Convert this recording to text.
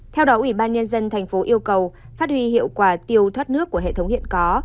theo đó ủy ban nhân dân thành phố yêu cầu phát huy hiệu quả tiêu thoát nước của hệ thống hiện có